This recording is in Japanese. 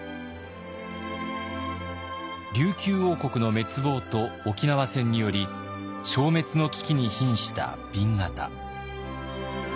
琉球王国の滅亡と沖縄戦により消滅の危機にひんした紅型。